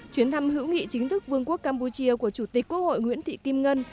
chuyến thăm hữu nghị chính thức vương quốc campuchia của chủ tịch quốc hội nguyễn thị kim ngân